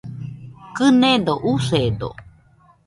Kɨnedo, usedo